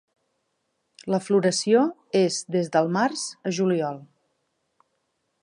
La floració és des del Març a Juliol.